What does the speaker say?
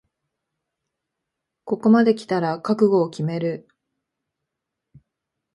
ここまできたら覚悟を決める